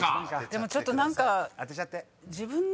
でもちょっと何か。